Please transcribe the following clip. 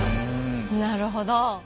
なるほど。